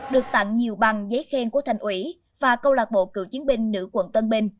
được tặng nhiều bằng giấy khen của thành ủy và câu lạc bộ cựu chiến binh nữ quận tân bình